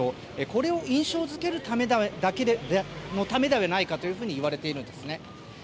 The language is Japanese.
これを印象付けるためではないかといわれているんですね。